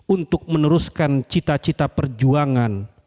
untuk meneruskan cita cita perjuangan